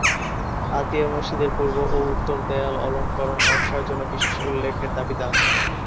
আতিয়া মসজিদের পূর্ব ও উত্তর দেয়াল অলঙ্করণ নকশার জন্য বিশেষ উল্লেখের দাবিদার।